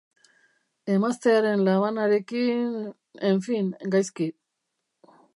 Emaztearen labanarekin... en fin, gaizki.